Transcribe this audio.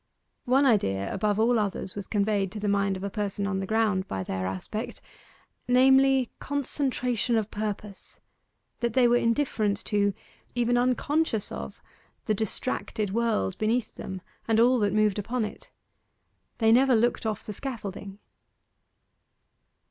One idea above all others was conveyed to the mind of a person on the ground by their aspect, namely, concentration of purpose: that they were indifferent to even unconscious of the distracted world beneath them, and all that moved upon it. They never looked off the scaffolding.